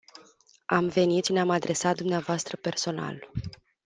Am venit și ne-am adresat dvs. personal.